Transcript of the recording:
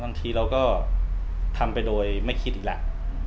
บางทีเราก็ทำไปโดยไม่คิดอีกแล้ว